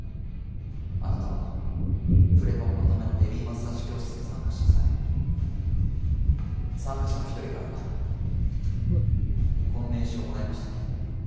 あなたはプレパパのためのベビーマッサージ教室に参加した際参加者の一人からこの名刺をもらいましたね。